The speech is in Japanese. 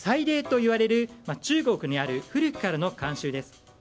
礼といわれる中国にある古くからの慣習です。